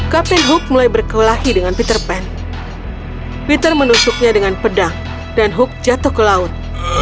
kapten hook mulai berkelahi dengan peter pan peter menusuknya dengan pedang dan hook jatuh ke laut